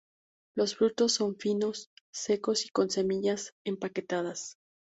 Los frutos son finos, secos y con semillas empaquetadas.